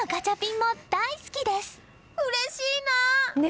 うれしいな！